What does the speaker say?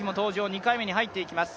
２回目に入っていきます。